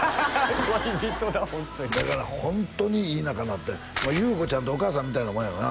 恋人だホントにだからホントにいい仲なって裕子ちゃんとお母さんみたいなもんやろう